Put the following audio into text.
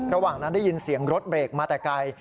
ระหว่างนั้นได้ยินเสียงรถเบรกมาแต่ไกล